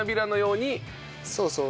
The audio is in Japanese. そうそう。